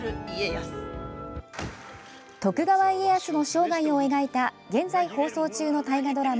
徳川家康の生涯を描いた現在放送中の大河ドラマ